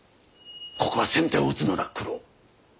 ここは先手を打つのだ九郎。